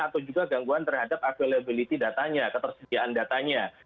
atau juga gangguan terhadap availability datanya ketersediaan datanya